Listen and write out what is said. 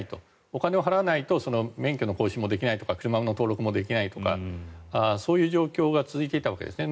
お金を払わないと免許の更新もできないとか車の登録もできないとかそういう状況が続いていたわけですね。